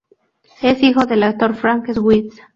Es hijo del actor Frank Sweet.